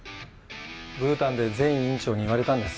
ブータンで前院長に言われたんです。